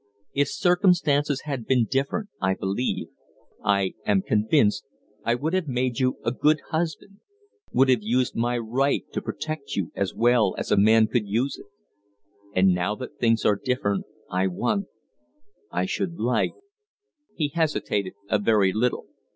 If circumstances had been different, I believe I am convinced I would have made you a good husband would have used my right to protect you as well as a man could use it. And now that things are different, I want I should like " He hesitated a very little.